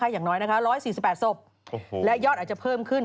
อย่างน้อย๑๔๘ศพและยอดอาจจะเพิ่มขึ้น